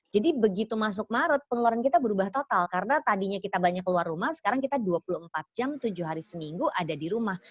jadi begitu masuk maret pengeluaran kita berubah total karena tadinya kita banyak keluar rumah sekarang kita dua puluh empat jam tujuh hari seminggu ada di rumah